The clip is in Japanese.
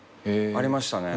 ありましたね。